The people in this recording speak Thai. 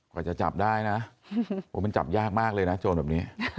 กว่าจะจับได้นะโอ้มันจับยากมากเลยนะโจรแบบนี้